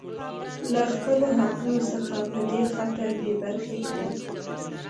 لـه خـپـلو حـقـونـو څـخـه پـه دې خاطـر بـې بـرخـې کـړي.